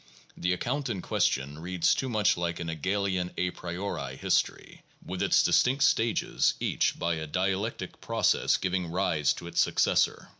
The account in question reads too much like an Hegelian a priori history, with its distinct stages each by a dialectic process giving rise to its successor.